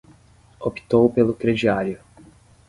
Optou pelo crediário